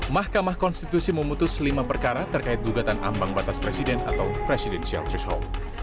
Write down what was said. mahkamah konstitusi memutus lima perkara terkait gugatan ambang batas presiden atau presidential threshold